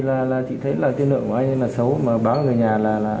thế là đến mấy giờ thì chị thấy tiên lượng của anh là xấu mà báo người nhà là anh